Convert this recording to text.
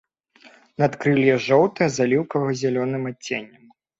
Надкрылле жоўтае з аліўкава-зялёным адценнем.